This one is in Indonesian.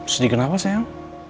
sedih kenapa sayang